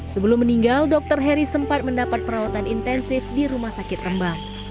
sebelum meninggal dokter heri sempat mendapat perawatan intensif di rumah sakit rembang